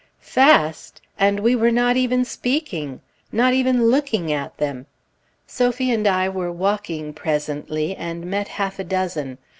Fast! and we were not even speaking! not even looking at them! Sophie and I were walking presently, and met half a dozen.